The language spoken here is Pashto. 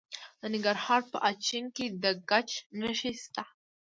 د ننګرهار په اچین کې د ګچ نښې شته.